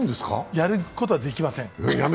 やることは一切できません。